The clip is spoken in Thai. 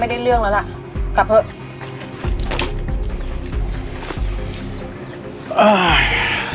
ไปก่อน